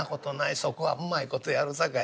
そこはうまい事やるさかい。